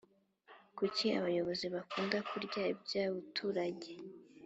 kuki abayozi bakunda kurya ibya turange